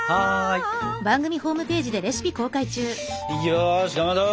よしかまど